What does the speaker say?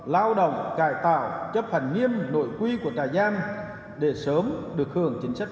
lao động cải tạo chấp hành nghiêm nội quy của trà giam để sớm được hưởng chính sách